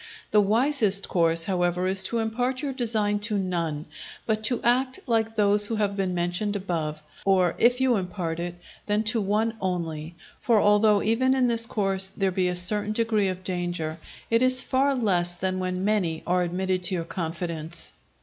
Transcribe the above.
The wisest course, however, is to impart your design to none, but to act like those who have been mentioned above; or if you impart it, then to one only: for although even in this course there be a certain degree of danger, it is far less than when many are admitted to your confidence.